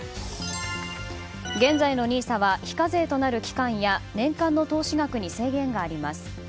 現在のＮＩＳＡは非課税となる期間や年間の投資額に制限があります。